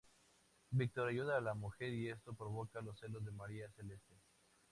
Víctor ayuda a la mujer y esto provoca los celos de María Celeste.